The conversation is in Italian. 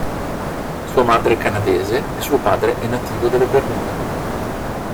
Sua madre è canadese e suo padre è nativo delle Bermuda.